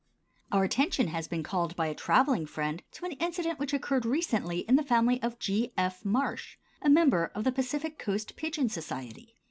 Our attention has been called by a traveling friend to an incident which occurred recently in the family of G. F. Marsh, a member of the Pacific Coast Pigeon Society.